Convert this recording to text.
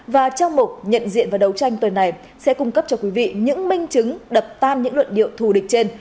và trong mục nhận diện và đấu tranh tuần này sẽ cung cấp cho quý vị những minh chứng đập tan những luận điệu thù địch trên